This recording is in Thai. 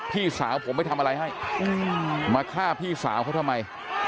พี่สาวผมไปทำอะไรให้มาฆ่าพี่สาวเขาทำไม